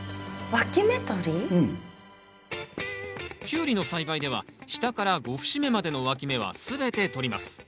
キュウリの栽培では下から５節目までのわき芽は全て取ります。